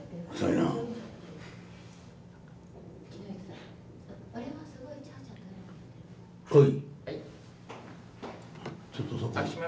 はい。